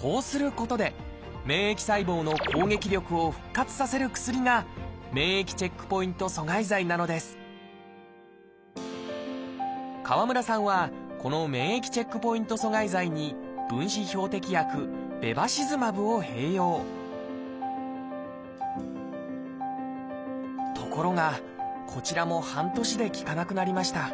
こうすることで免疫細胞の攻撃力を復活させる薬が免疫チェックポイント阻害剤なのです川村さんはこのところがこちらも半年で効かなくなりました